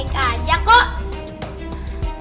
semoga aja seperti itu